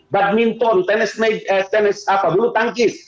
badminton tenis bulu tangkis